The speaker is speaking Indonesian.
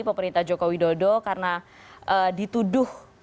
pemerintah jokowi dodo karena dituduh